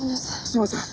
すいません！